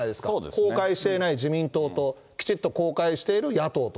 公開していない自民党と、きちっと公開している野党と。